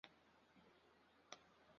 透过电力传导引发出惊人的拳脚力。